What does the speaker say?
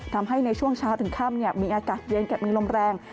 ทำให้ในช่วงเช้าถึงค่ำมีอากาศเย็นกับมีลมแรง